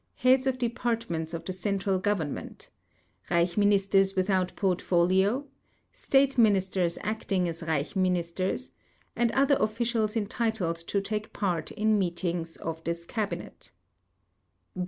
heads of departments of the central government; Reich Ministers without portfolio; State ministers acting as Reich Ministers; and other officials entitled to take part in meetings of this cabinet.